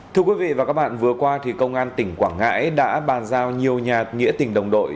thưa quý vị và các bạn vừa qua công an tỉnh quảng ngãi đã bàn giao nhiều nhà nghĩa tình đồng đội